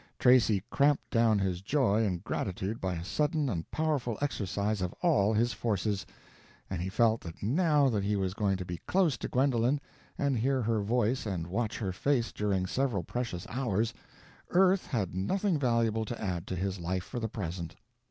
Tracy cramped down his joy and gratitude by a sudden and powerful exercise of all his forces; and he felt that now that he was going to be close to Gwendolen, and hear her voice and watch her face during several precious hours, earth had nothing valuable to add to his life for the present.